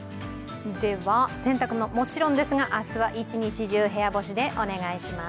では、洗濯もの、もちろんですが、明日は一日中部屋干しでお願いします。